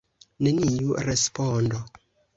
Neniu respondo.